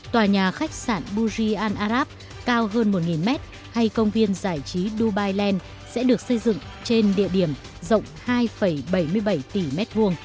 tòa nhà khách sạn burj al arab cao hơn một mét hay công viên giải trí dubai land sẽ được xây dựng trên địa điểm rộng hai bảy mươi bảy tỷ m